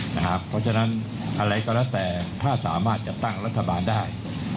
เพราะฉะนั้นอะไรก็แล้วแต่ถ้าสามารถจัดตั้งรัฐบาลได้